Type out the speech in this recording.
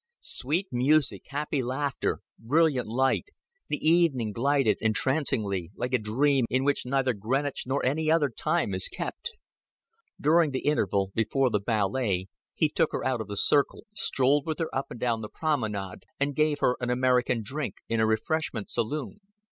Sweet music, happy laughter, brilliant light the evening glided entrancingly, like a dream in which neither Greenwich nor any other time is kept. During the interval before the ballet he took her out of the circle, strolled with her up and down the promenade, and gave her an American drink in a refreshment saloon.